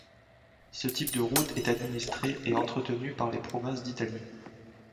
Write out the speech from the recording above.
Ce type de route est administré et entretenu par les provinces d'Italie.